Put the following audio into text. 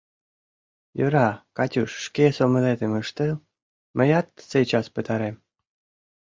— Йӧра, Катюш, шке сомылетым ыштыл, мыят сейчас пытарем.